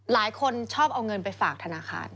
หลายคนชอบเอาเงินไปฝากธนาคาร